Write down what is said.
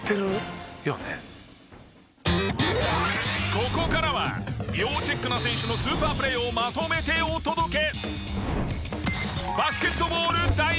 ここからは要チェックな選手のスーパープレーをまとめてお届け！